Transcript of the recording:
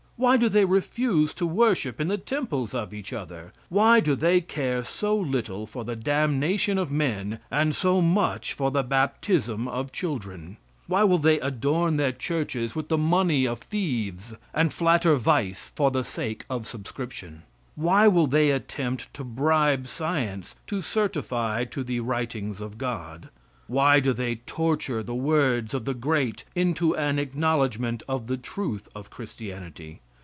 Why do they refuse to worship in the temples of each other? Why do they care so little for the damnation of men, and so much for the baptism of children? Why will they adorn their churches with the money of thieves, and flatter vice for the sake of subscription? Why will they attempt to bribe science to certify to the writings of God? Why do they torture the words of the great into an acknowledgment of the truth of Christianity?